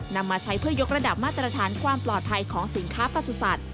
นำมาใช้เพื่อยกระดับมาตรฐานความปลอดภัยของสินค้าประสุทธิ์